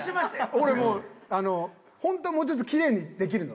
俺もうホントはもうちょっときれいにできるの。